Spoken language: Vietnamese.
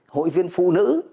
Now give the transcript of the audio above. hội viên phụ nữ